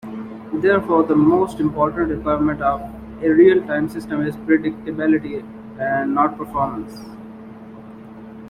Therefore, the most important requirement of a real-time system is predictability and not performance.